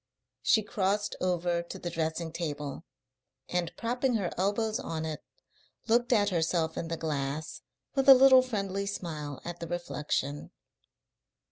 She crossed over to the dressing table, and, propping her elbows on it, looked at herself in the glass, with a little friendly smile at the reflection.